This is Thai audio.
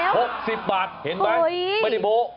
หกสิบบาทเห็นไหมไม่ได้โบ๊ะ